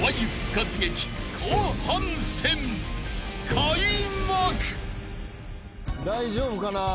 ［開幕！］